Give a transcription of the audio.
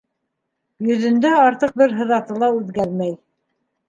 Йөҙөндә артыҡ бер һыҙаты ла үҙгәрмәй.